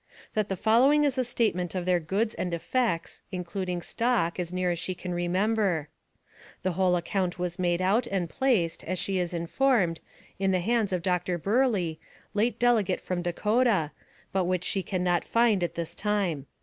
That the following is a statement of their goods and effects, including stock, as near as she can remember. AMONG THE SIOUX INDIANS. 271 The whole account was made out and placed, as she is informed, in the hands of Dr. Burleigh, late dele gate from Dakota, but which she can not find at this time.